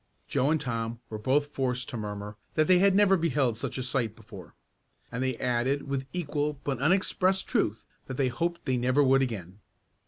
Joe and Tom were both forced to murmur that they had never beheld such a sight before. And they added with equal but unexpressed truth that they hoped they never would again.